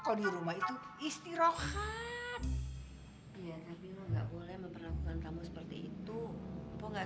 ko di rumah itu istirohat enggak boleh memperlakukan kamu seperti itu ong oh gak